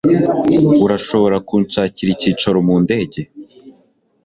Urashobora kunshakira icyicaro mu ndege?